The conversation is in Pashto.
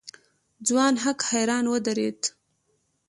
ځوان هک حيران ودرېد.